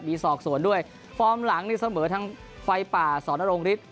มีสอบส่วนด้วยฟอร์มหลังนี่เสมอทั้งไฟป่าสอนรงฤทธิ